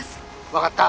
分がった。